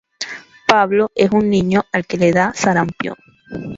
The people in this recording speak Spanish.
Pablo es un niño al que le da sarampión.